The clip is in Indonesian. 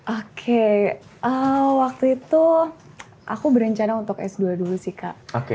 oke waktu itu aku berencana untuk s dua dulu sih kak